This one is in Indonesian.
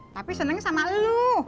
tapi senengnya sama elu